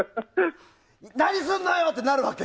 何すんのよ！ってなるわけ？